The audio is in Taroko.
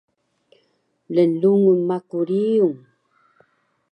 Lnlungun maku riyung